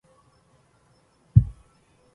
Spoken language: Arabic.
ليس لي فطنة تترجم عني